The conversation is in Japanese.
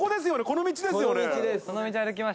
・この道です！